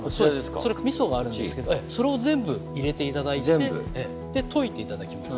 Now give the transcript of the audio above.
それみそがあるんですけどそれを全部入れて頂いてで溶いて頂きます。